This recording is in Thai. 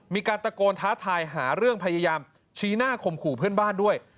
มีการตะโกนท้าทายหาเรื่องพยายามชี้หน้าข่มขู่เพื่อนบ้านด้วย